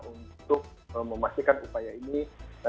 untuk memastikan upaya ini